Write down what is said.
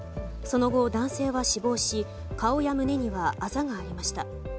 その後、男性は死亡し顔や胸にはあざがありました。